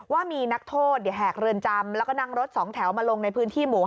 ว่ามีนักโทษแหกเรือนจำแล้วก็นั่งรถ๒แถวมาลงในพื้นที่หมู่๕